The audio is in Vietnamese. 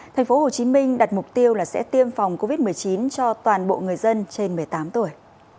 tp hcm đặt mục tiêu là sẽ tiêm phòng covid một mươi chín cho toàn bộ người dân trên một mươi tám tuổi